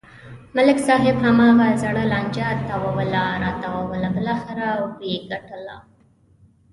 ملک صاحب هماغه زړه لانجه تاووله راتاووله بلاخره و یې گټله.